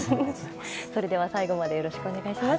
それでは最後までよろしくお願いいたします。